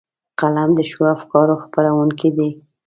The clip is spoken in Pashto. قلم د ښو افکارو خپرونکی دی